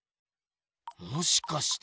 もしかして。